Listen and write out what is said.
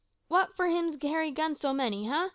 W'at for hims carry guns so many, eh?